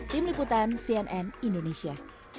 tim liputan cnn indonesia